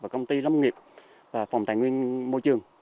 công ty lâm nghiệp phòng tài nguyên môi trường